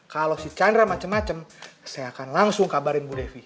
kalau si chandra macam macam saya akan langsung kabarin bu devi